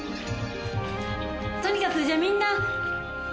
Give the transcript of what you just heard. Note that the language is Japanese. とにかくじゃあみんな。